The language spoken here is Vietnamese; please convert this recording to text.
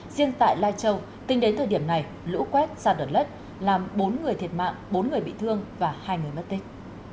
riêng tại lai châu tính đến thời điểm này lũ quét xa đợt lất làm bốn người thiệt mạng bốn người bị thương và hai người mất tích